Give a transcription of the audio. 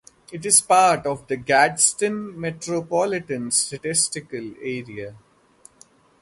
It is part of the Gadsden Metropolitan Statistical Area.